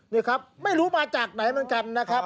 นี่ครับไม่รู้มาจากไหนเหมือนกันนะครับ